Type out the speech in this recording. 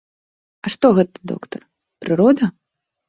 А што гэта, доктар, прырода?